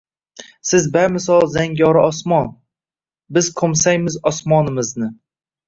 Siz bamisli zangori osmon, biz qoʻmsaymiz osmonimizni.